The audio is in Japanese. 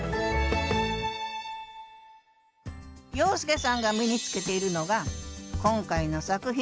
洋輔さんが身に着けているのが今回の作品。